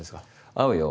会うよ